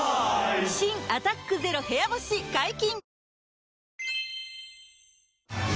新「アタックＺＥＲＯ部屋干し」解禁‼